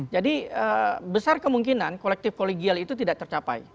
jadi besar kemungkinan kolektif kolegial itu tidak tercapai